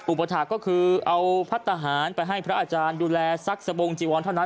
อุปถาคก็คือเอาพัฒนาหารไปให้พระอาจารย์ดูแลซักสบงจีวรเท่านั้น